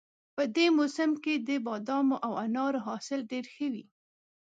په دې موسم کې د بادامو او انارو حاصل ډېر ښه وي